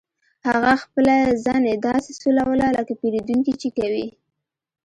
هغه خپله زنې داسې سولوله لکه پیرودونکي چې کوي